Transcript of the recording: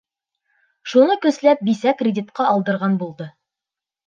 Шуны көсләп бисә кредитҡа алдырған булды.